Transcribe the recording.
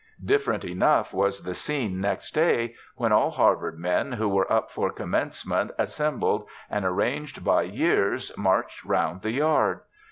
Different enough was the scene next day, when all Harvard men who were up for Commencement assembled and, arranged by years, marched round the yard.